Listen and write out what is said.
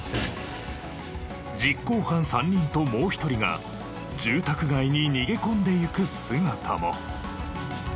実行犯３人ともう１人が住宅街に逃げ込んでいく姿も。